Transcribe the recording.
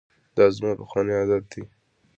دا زما پخوانی عادت دی.